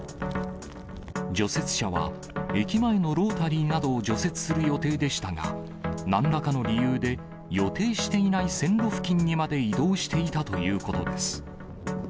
除雪車は、駅前のロータリーなどを除雪する予定でしたが、なんらかの理由で、予定していない線路付近にまで移動していたということです。